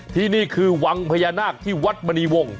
ที่นี่คือวังพญานาคที่วัดมณีวงศ